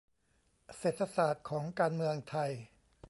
"เศรษฐศาสตร์ของการเมืองไทย"